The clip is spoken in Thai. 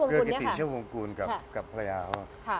เกลือกีติเชี่ยววงกูลกับพระยาว